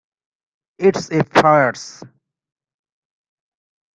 It's a farce.